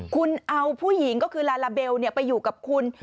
คุณเอาผู้หญิงก็คือลาลาเบลไปอยู่กับคุณ